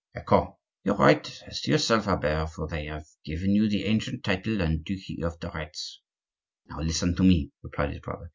Ecco!" "You are right as to yourself, Albert; for they have given you the ancient title and duchy of de Retz." "Now listen to me," replied his brother.